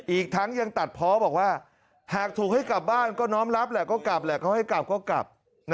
อีกทั้งยังตัดเพ้าะบอกว่าถ้าถูกให้กลับบ้านก็น้อมลับแล้วก็กลับ